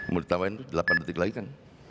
mau ditambahin delapan detik lagi kan